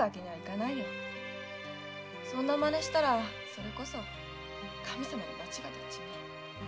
そんな真似したらそれこそ神さまの罰が当たっちまう。